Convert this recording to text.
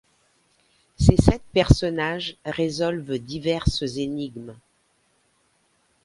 Ces sept personnages résolvent diverses énigmes.